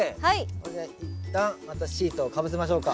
これで一旦またシートをかぶせましょうか。